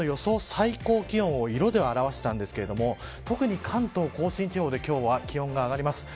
最高気温を色で表したんですが特に関東甲信地方で今日は気温が上がります。